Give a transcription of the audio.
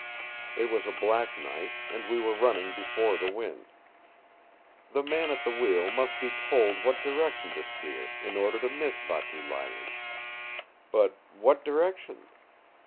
It was a black night, and we were running before the wind. The man at the wheel must be told what direction to steer in order to miss Vatu Leile. But what direction?